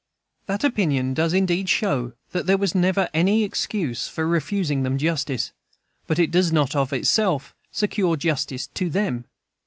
That "opinion" does indeed show that there never was any excuse for refusing them justice; but it does not, of itself, secure justice to them.